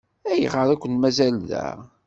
Ayɣer ay ken-mazal da?